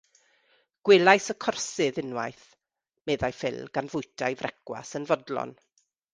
Gwelais y corsydd unwaith,” meddai Phil, gan fwyta'i frecwast yn fodlon.